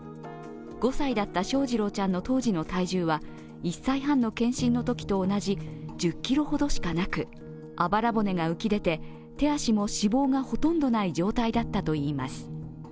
５歳だった翔士郎ちゃんの当時の体重は１歳半の健診のときと同じ１０ｋｇほどしかなくあばら骨が浮き出て、手足も脂肪がほとんどない状態だったといいます。